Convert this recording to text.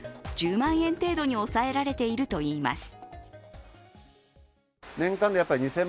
１０万円程度に抑えられているといいます。